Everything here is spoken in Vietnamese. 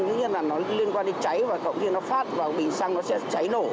tuy nhiên là nó liên quan đến cháy và cộng kia nó phát vào bình xăng nó sẽ cháy nổ